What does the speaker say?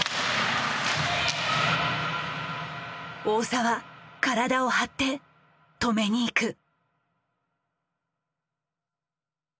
大澤体を張って止めに行く。